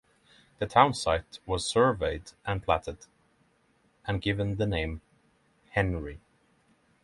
The town site was surveyed and platted, and given the name "Henry".